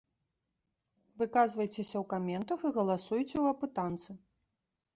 Выказвайцеся ў каментах і галасуйце ў апытанцы.